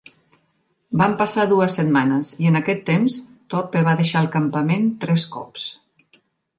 Van passar rues setmanes i en aquest temps Thorpe va deixar el campament tres cops.